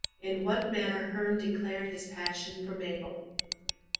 In what manner Herne declared his Passion for Mabel.